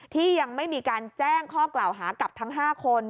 ที่ยังไม่มีการแจ้งข้อกล่าวหากับทั้ง๕คน